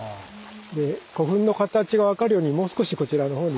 古墳の形が分かるようにもう少しこちらのほうにお願いします。